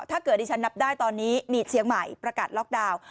ที่ฉันนับได้ตอนนี้มีเชียงใหม่ประกาศล็อกดาวน์